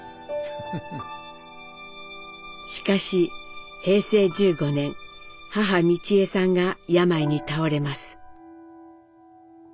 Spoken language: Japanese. しかし平成１５年母美智榮さんが病に倒れます。